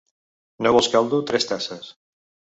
No vols caldo, tres tasses.